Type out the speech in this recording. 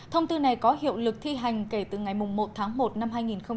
thông tư này có hiệu lực thi hành kể từ ngày một tháng một năm hai nghìn hai mươi